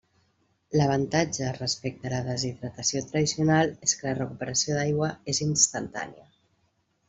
L'avantatge respecte a la deshidratació tradicional és que la recuperació d'aigua és instantània.